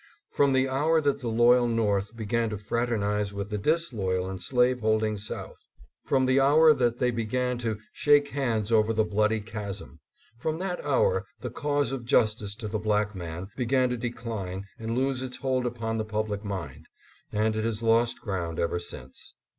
From the hour that the loyal North began to fraternize with the disloyal and slaveholding South ; from the hour that they began to " shake hands over the bloody chasm ;" from that hour the cause of justice to the black" man began to decline and lose its hold upon the public mind, and it has lost ground ever since.